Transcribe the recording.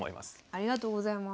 ありがとうございます。